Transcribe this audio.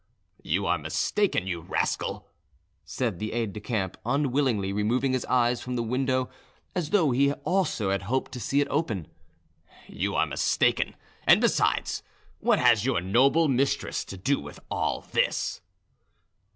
"You are mistaken, you rascal," said the aide de camp, unwillingly removing his eyes from the window, as though he also had hoped to see it open, "you are mistaken; and besides, what has your noble mistress to do with all this?"